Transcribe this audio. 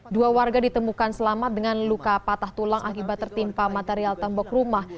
dua warga ditemukan selamat dengan luka patah tulang akibat tertimpa material tembok rumah